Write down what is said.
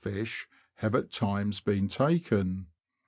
fish have at times been taken.